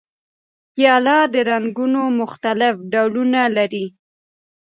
پیاله د رنګونو مختلف ډولونه لري.